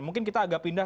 mungkin kita agak pindah